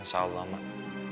insya allah mak